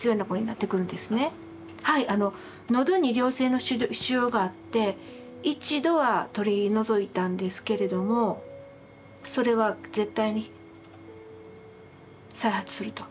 あの喉に良性の腫瘍があって一度は取り除いたんですけれどもそれは絶対に再発すると。